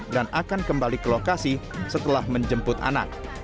dan akan kembali ke lokasi setelah menjemput anak